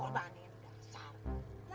nah tuh paham ya